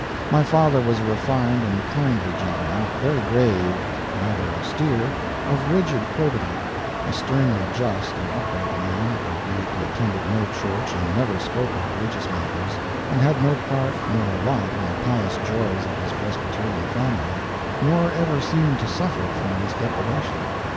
My father was a refined and kindly gentleman, very grave, rather austere, of rigid probity, a sternly just and upright man, albeit he attended no church and never spoke of religious matters, and had no part nor lot in the pious joys of his Presbyterian family, nor ever seemed to suffer from this deprivation.